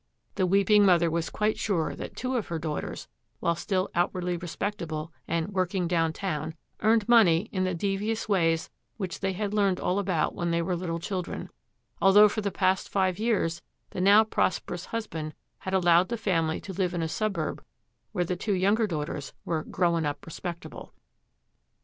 The weeping mother was quite sure that two of her daughters, while still outwardly respectable and 'working downtown,' earned money in the devious ways which they had learned all about when they were little children, although for the past five years the now prosperous husband had allowed the family to live in a suburb where the two younger daughters were 'growing up respectable.'